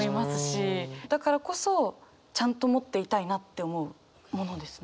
だからこそちゃんと持っていたいなって思うものですね。